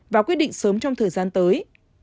và quyết định sớm trong thời gian tới